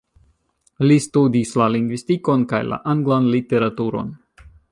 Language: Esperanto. Li studis la lingvistikon kaj la anglan literaturon.